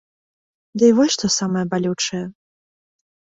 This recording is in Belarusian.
Дый вось што самае балючае.